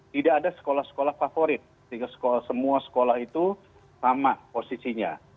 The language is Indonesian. tidak ada sekolah sekolah favorit sehingga semua sekolah itu sama posisinya